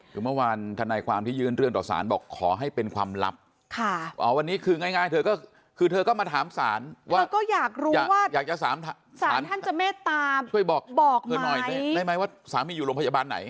คือเมื่อวานธนายความที่ยื่นเรื่องต่อสารบอกขอให้เป็นความลับวันนี้คือง่ายเธอก็คือเธอก็มาถามศาลว่าเธอก็อยากรู้ว่าอยากจะสารท่านจะเมตตาช่วยบอกบอกเธอหน่อยได้ไหมว่าสามีอยู่โรงพยาบาลไหน